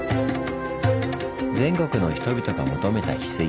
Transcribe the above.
全国の人々が求めたヒスイ。